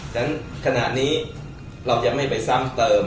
ฉะนั้นขณะนี้เราจะไม่ไปซ้ำเติม